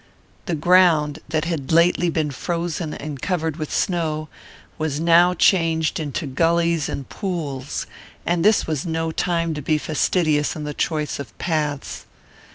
The ground, that had lately been frozen and covered with snow, was now changed into gullies and pools, and this was no time to be fastidious in the choice of paths.